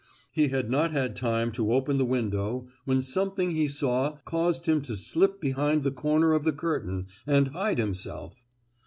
He had not had time to open the window when something he saw caused him to slip behind the corner of the curtain, and hide himself.